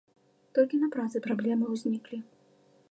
Толькі на працы праблемы ўзніклі.